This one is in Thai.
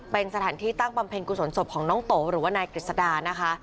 เป็นสถานที่ตั้งบำเพ็ญกุศลศพของน้องโตหรือว่านายกฤษดานะคะ